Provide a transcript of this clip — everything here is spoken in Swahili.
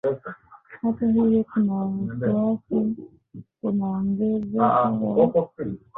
Hata hivyo kuna wasiwasi unaoongezeka wa